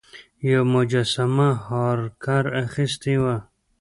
یوه مجسمه هارکر اخیستې وه.